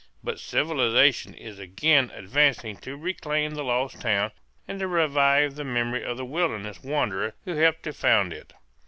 But civilization is again advancing to reclaim the lost town and to revive the memory of the wilderness wanderer who helped to found it.